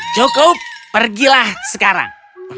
cukup pergilah sekarang